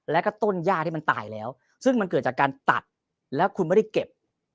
แล้วก็ต้นย่าที่มันตายแล้วซึ่งมันเกิดจากการตัดแล้วคุณไม่ได้เก็บ